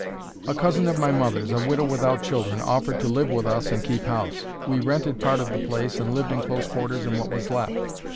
"A cousin of my mother's, a widow without children, offered to live with us and keep house. We rented part of the place and lived in close quarters in what was left.